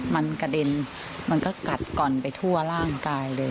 มันกระเด็นมันก็กัดก่อนไปทั่วร่างกายเลย